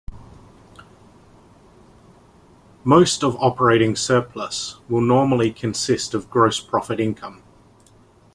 Most of operating surplus will normally consist of gross profit income.